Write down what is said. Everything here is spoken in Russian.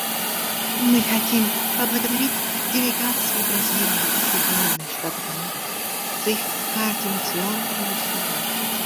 Мы хотим поблагодарить делегации Бразилии и Соединенных Штатов Америки за их координационные усилия.